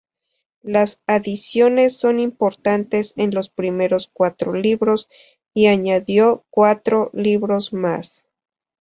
Las adiciones son importantes en los primeros cuatro libros y añadió cuatro libros más.